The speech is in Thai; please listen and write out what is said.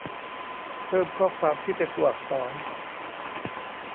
เพิ่มข้อความที่เป็นตัวอักษร